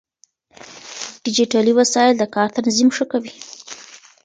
ډيجيټلي وسايل د کار تنظيم ښه کوي.